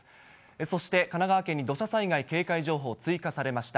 そして神奈川県に土砂災害警戒情報、追加されました。